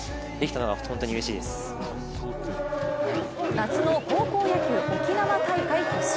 夏の高校野球沖縄大会決勝。